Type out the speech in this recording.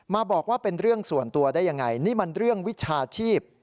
มาบอกว่าเป็นเรื่องส่วนตัวได้ยังไงนี่มันเรื่องวิชาชีพ